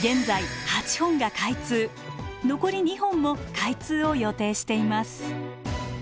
残り２本も開通を予定しています。